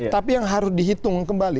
tapi yang harus dihitung kembali